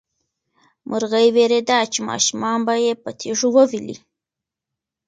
مرغۍ وېرېده چې ماشومان به یې په تیږو وولي.